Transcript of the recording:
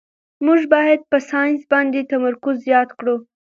موږ باید په ساینس باندې تمرکز زیات کړو